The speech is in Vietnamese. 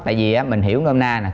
tại vì mình hiểu nôm na nè